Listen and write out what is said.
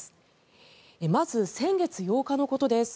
まず先月８日のことです。